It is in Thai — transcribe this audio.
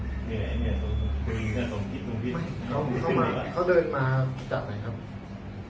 เขาเข้ามาเขาเดินมาจากไหนครับ